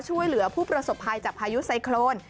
ช่วยเหลือผู้ประสบภัยจากพายุไซโครน